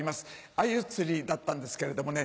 アユ釣りだったんですけどれどもね。